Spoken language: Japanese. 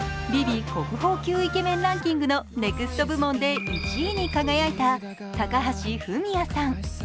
ＶｉＶｉ国宝級イケメンランキングのＮＥＸＴ部門で１位に輝いた高橋文哉さん。